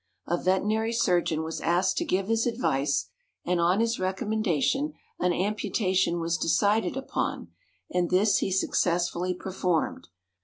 A veterinary surgeon was asked to give his advice, and on his recommendation an amputation was decided upon, and this he successfully performed.